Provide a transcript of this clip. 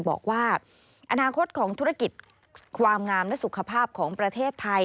บอกว่าอนาคตของธุรกิจความงามและสุขภาพของประเทศไทย